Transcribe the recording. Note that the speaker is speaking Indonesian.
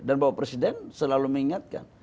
dan bahwa presiden selalu mengingatkan